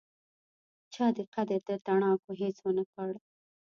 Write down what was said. چا دې قدر د تڼاکو هیڅ ونکړ